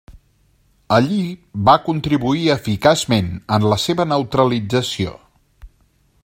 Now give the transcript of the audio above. Allí va contribuir eficaçment en la seva neutralització.